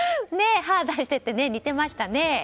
歯を出してて似てましたね。